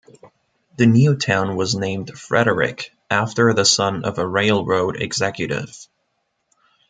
The new town was named Frederick, after the son of a railroad executive.